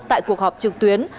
tại cuộc họp trực tuyến